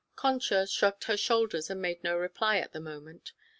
Concha shrugged her shoulders and made no reply at the moment.